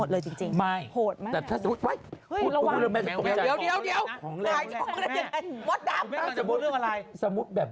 สมมุติแบบ